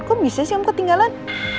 kok bisa sih om ketinggalan